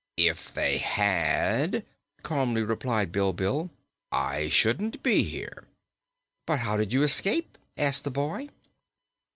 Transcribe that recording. "If they had," calmly replied Bilbil, "I shouldn't be here." "But how did you escape?" asked the boy.